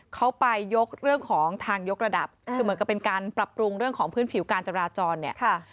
เขาไปยกเรื่องของทางยกระดับคือเหมือนกับเป็นการปรับปรุงเรื่องของพื้นผิวการจราจรเนี่ย